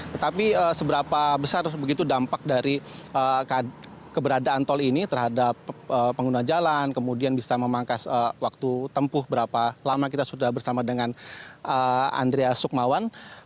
tetapi seberapa besar begitu dampak dari keberadaan tol ini terhadap pengguna jalan kemudian bisa memangkas waktu tempuh berapa lama kita sudah bersama dengan andrea sukmawan